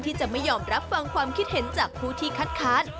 ที่จะไม่ยอมรับฟังความคิดเห็นจากผู้ที่คัดค้าน